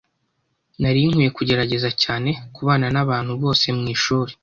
Nari nkwiye kugerageza cyane kubana nabantu bose mwishuri.